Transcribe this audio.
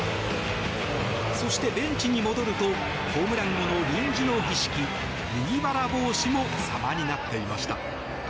そして、ベンチに戻るとホームラン後の臨時の儀式麦わら帽子も様になっていました。